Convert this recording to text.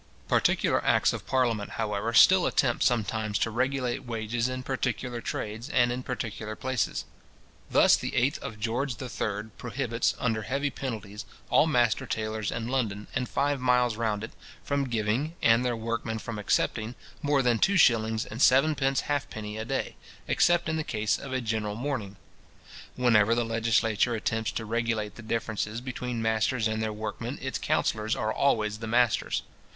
Particular acts of parliament, however, still attempt sometimes to regulate wages in particular trades, and in particular places. Thus the 8th of George III. prohibits, under heavy penalties, all master tailors in London, and five miles round it, from giving, and their workmen from accepting, more than two shillings and sevenpence halfpenny a day, except in the case of a general mourning. Whenever the legislature attempts to regulate the differences between masters and their workmen, its counsellors are always the masters.